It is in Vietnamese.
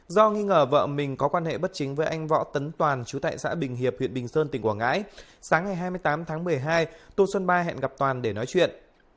do nghi ngờ vợ mình có quan hệ bất chính với anh võ tấn toàn chú tại xã bình hiệp huyện bình sơn tỉnh quảng ngãi sáng ngày hai mươi tám tháng một mươi hai tô xuân ba hẹn gặp toàn để nói chuyện